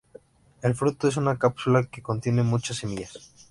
El fruto es una cápsula que contiene muchas semillas.